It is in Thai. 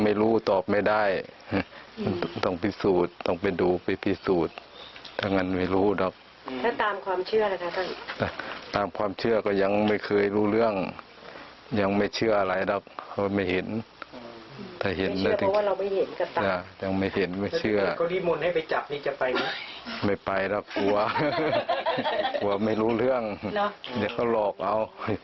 ไม่ไปนะกลัวไม่รู้เรื่องเดี๋ยวเขาหลอกเอา